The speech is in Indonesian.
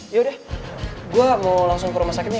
ya udah gue mau langsung ke rumah sakit nih